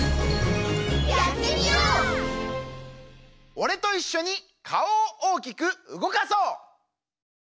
おれといっしょにかおをおおきくうごかそう！